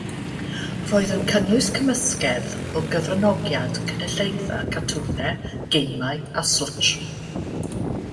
Roedd yn cynnwys cymysgedd o gyfranogiad cynulleidfa, cartwnau, gemau a slwtsh.